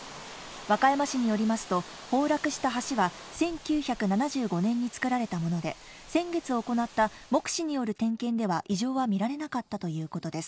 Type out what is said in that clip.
和歌山市によりますと崩落した橋は１９７５年に造られたもので、先月行った目視による点検では異常は見られなかったということです。